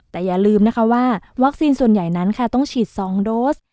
แต่อย่าลืมนะคะว่าวัคซีนส่วนใหญ่นั้นค่ะต้องฉีด๒โดส